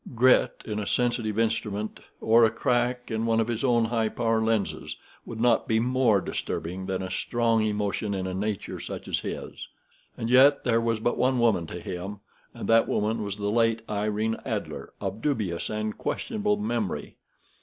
Grit in a sensitive instrument, or a crack in one of his own high power lenses, would not be more disturbing that a strong emotion in a nature such as his. And yet there was but one woman to him, and that woman was the late Irene Adler, of dubious and questionable memory.